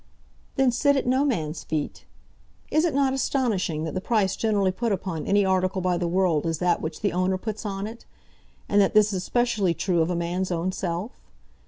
"Then sit at no man's feet. Is it not astonishing that the price generally put upon any article by the world is that which the owner puts on it? and that this is specially true of a man's own self?